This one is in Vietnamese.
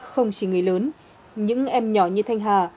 không chỉ người lớn những em nhỏ như thanh hà